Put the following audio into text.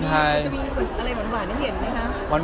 มันจะมีอะไรหวานให้เห็นไหมคะ